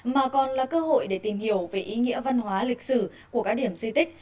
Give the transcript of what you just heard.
mà còn là cơ hội để tìm hiểu về ý nghĩa văn hóa lịch sử của các điểm di tích